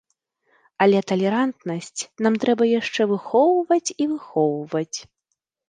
Але талерантнасць нам трэба яшчэ выхоўваць і выхоўваць.